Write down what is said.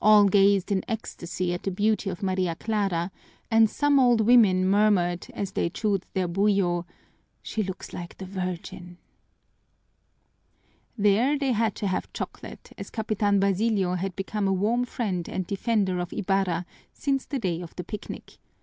All gazed in ecstasy at the beauty of Maria Clara and some old women murmured, as they chewed their buyo, "She looks like the Virgin!" There they had to have chocolate, as Capitan Basilio had become a warm friend and defender of Ibarra since the day of the picnic.